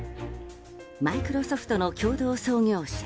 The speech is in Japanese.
マイクロソフトの共同創業者